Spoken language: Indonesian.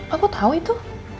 aku tau itu